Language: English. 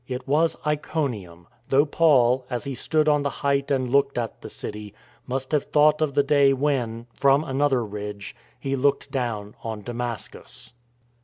It was Iconium, though Paul, as he stood on the height and looked at the city, must have thought of the day when — from another ridge — he looked down on Damascus.